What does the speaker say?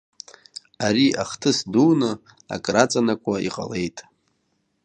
Ари ахҭыс дуны, акры аҵанакуа иҟалеит.